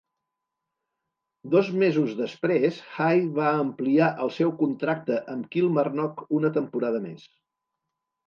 Dos mesos després, Hay va ampliar el seu contracte amb Kilmarnock una temporada més.